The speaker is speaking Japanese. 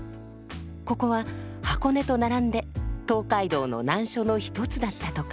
ここは箱根と並んで東海道の難所の一つだったとか。